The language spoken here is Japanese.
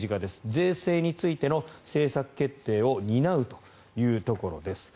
税制についての政策決定を担うところです。